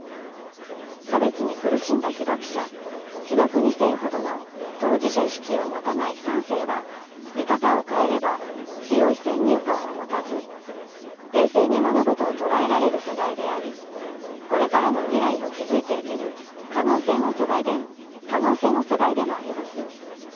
差別に苦しんだ被爆者被爆二世ほどの当事者意識を持たない三世は見方を変えれば強い先入観を持たず冷静に物事を捉えられる世代でありこれからの未来を築いていける可能性の世代でもあります。